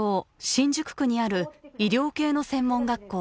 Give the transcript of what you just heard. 新宿区にある医療系の専門学校